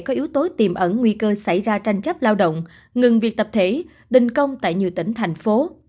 có yếu tố tiềm ẩn nguy cơ xảy ra tranh chấp lao động ngừng việc tập thể đình công tại nhiều tỉnh thành phố